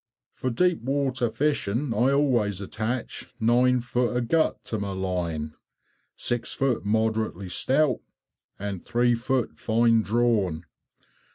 For deep water fishing I always attach nine feet of gut to my line; six feet moderately stout and three feet fine drawn.